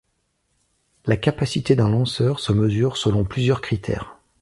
La capacité d'un lanceur se mesure selon plusieurs critères.